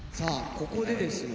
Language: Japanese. ここでですよ